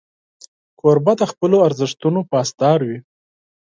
کوربه د خپلو ارزښتونو پاسدار وي.